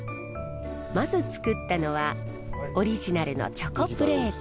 まず作ったのはオリジナルのチョコプレート。